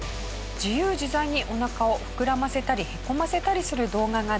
自由自在にお腹を膨らませたりへこませたりする動画が大人気。